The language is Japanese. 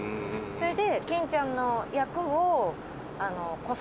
それで。